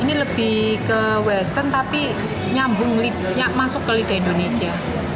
ini lebih ke western tapi nyambung masuk ke lidah indonesia